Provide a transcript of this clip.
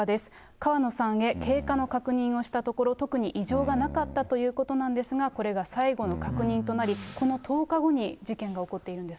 川野さんへ経過の確認をしたところ、特に異常がなかったということなんですが、これが最後の確認となり、この１０日後に事件が起こっているんですね。